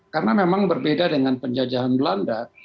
karena memang berbeda dengan penjajahan belanda